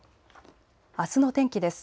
あすの天気です。